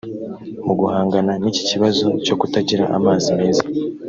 Mu guhangana n’iki kibazo cyo kutagira amazi meza